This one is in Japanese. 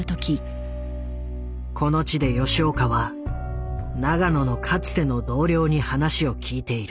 この地で吉岡は永野のかつての同僚に話を聞いている。